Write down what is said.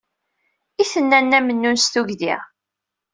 I tenna Nna Mennun s tugdi.